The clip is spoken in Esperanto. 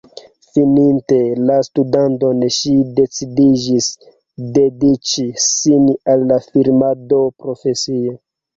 Fininte la studadon ŝi decidiĝis dediĉi sin al la filmado profesie.